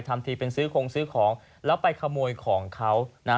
ทำทีเป็นซื้อคงซื้อของแล้วไปขโมยของเขานะฮะ